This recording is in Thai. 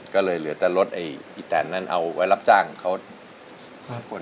ก็เลยเหลือแต่รถไอ้อีแตนนั้นเอาไว้รับจ้างเขา๕คน